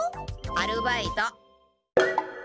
アルバイト。